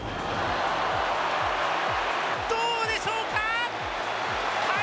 どうでしょうか？